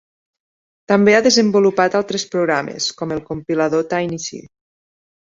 També ha desenvolupat altres programes, com el compilador Tiny C.